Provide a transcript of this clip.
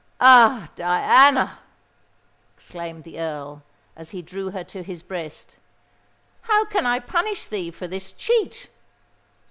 "Ah! Diana," exclaimed the Earl, as he drew her to his breast, "how can I punish thee for this cheat!"